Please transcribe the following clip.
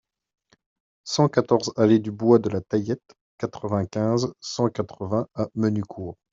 cent quatorze allée du Bois de la Taillette, quatre-vingt-quinze, cent quatre-vingts à Menucourt